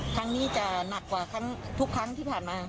ครั้งนี้จะหนักกว่าทุกครั้งที่ผ่านมา